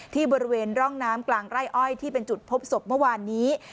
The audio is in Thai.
ที่บริเวณร่องน้ำกลางไร่อ้อยที่เป็นจุดพบศพเมื่อวานนี้